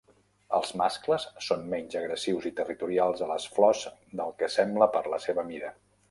Els mascles són menys agressius i territorials a les flors del que sembla per la seva mida.